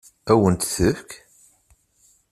Ad wen-t-tefk?